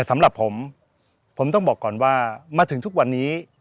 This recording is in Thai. มาถึงทุกวันนี้